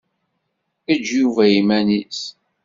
Eǧǧ Yuba i yiman-is.